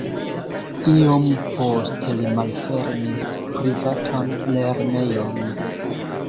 Iom poste li malfermis privatan lernejon.